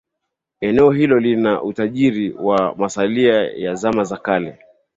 eneo hilo lina utajiri wa masalia ya zama za kale